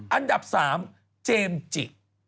อันดับ๓เจมส์จิ